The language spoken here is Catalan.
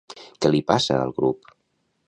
Què li passa al grup?